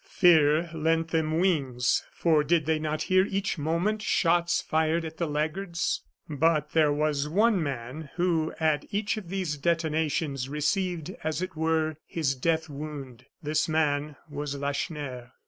Fear lent them wings, for did they not hear each moment shots fired at the laggards? But there was one man, who, at each of these detonations, received, as it were, his death wound this man was Lacheneur.